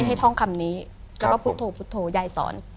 ให้ท่องคำนี้แล้วก็พุทธโธยายสอน